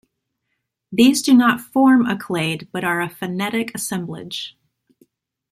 These do not form a clade but are a phenetic assemblage.